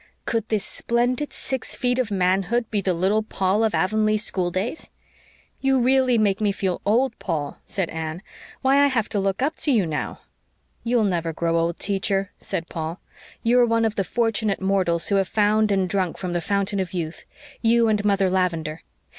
Could this splendid six feet of manhood be the little Paul of Avonlea schooldays? "You really make me feel old, Paul," said Anne. "Why, I have to look up to you!" "You'll never grow old, Teacher," said Paul. "You are one of the fortunate mortals who have found and drunk from the Fountain of Youth, you and Mother Lavendar.